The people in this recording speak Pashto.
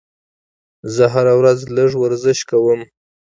زه هره ورځ لږ ورزش کوم.